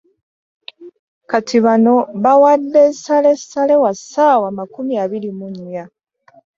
Kati bano bawadde nsalessale wa ssaawa makumi abiri mu nnya